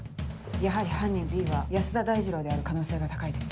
やはり犯人Ｂは安田大二郎である可能性が高いです。